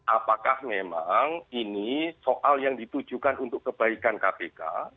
apakah memang ini soal yang ditujukan untuk kebaikan kpk